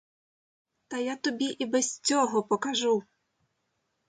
Та я тобі і без цього покажу.